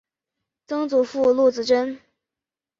曾祖父陆子真。